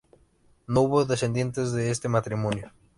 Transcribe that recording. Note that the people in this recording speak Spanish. No hubo descendientes de este matrimonio.